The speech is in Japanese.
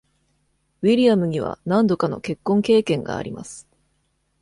ウィリアムには何度かの結婚経験があります。